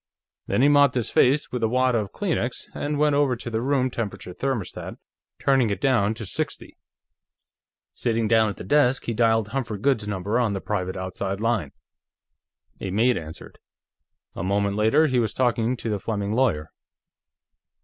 Then he mopped his face with a wad of Kleenex and went over to the room temperature thermostat, turning it down to sixty. Sitting down at the desk, he dialed Humphrey Goode's number on the private outside line. A maid answered; a moment later he was talking to the Fleming lawyer.